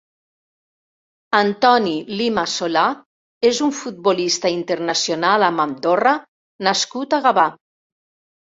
Antoni Lima Solà és un futbolista internacional amb Andorra nascut a Gavà.